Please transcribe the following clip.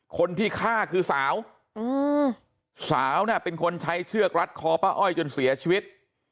คนที่ฆ่าคือสาวสาวน่ะเป็นคนใช้เชือกรัดคอป้าอ้อยจนเสียชีวิต